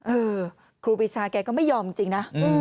เออครูปีชาแกก็ไม่ยอมจริงนะ